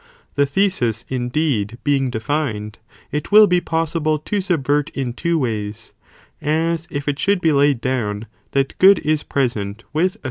The thesis indeed being defined, it will thesis is des be possible to subvert in two ways, as if it should a ba la be laid down that good is present with a cer ways.